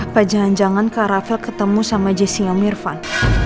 apa jangan jangan kak rafael ketemu sama jessia mirvan